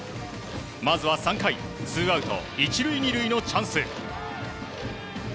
まずは３回、ツーアウト１塁２塁のチャンス。